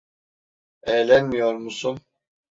Eğlenmiyor musun?